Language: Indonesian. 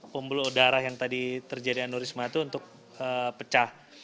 pembuluh darah yang tadi terjadi anorisma itu untuk pecah